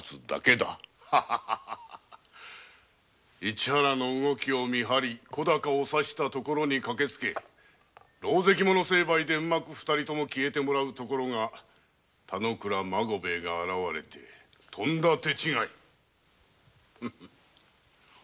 市原の動きを見張り小高を刺したところに駆けつけろうぜき者成敗で二人とも消えてもらうところが田之倉孫兵衛が現れてとんだ手違い。